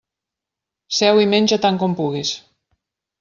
Seu i menja tant com puguis.